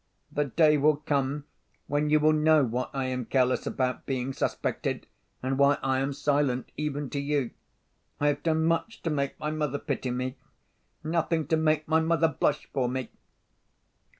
'The day will come when you will know why I am careless about being suspected, and why I am silent even to you. I have done much to make my mother pity me—nothing to make my mother blush for me.